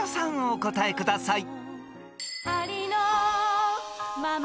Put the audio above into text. お答えください］